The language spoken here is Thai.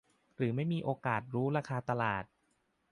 หรือไม่มีโอกาสรู้ราคาตลาด